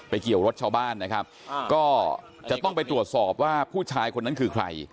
เกี่ยวรถชาวบ้านนะครับก็จะต้องไปตรวจสอบว่าผู้ชายคนนั้นคือใคร